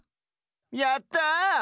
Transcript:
やった！